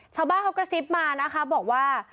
ชาวบ้านเขากระซิบมานะคะบอกว่า